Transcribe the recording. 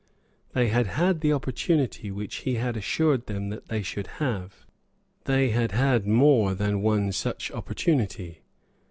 They had had the opportunity which he had assured them that they should have. They had had more than one such opportunity.